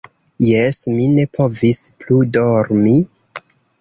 Jes, mi ne povis plu dormi.